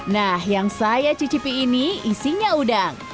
nah yang saya cicipi ini isinya udang